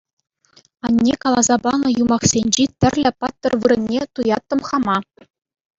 Анне каласа панӑ юмахсенчи тӗрлӗ паттӑр вырӑнне туяттӑм хама.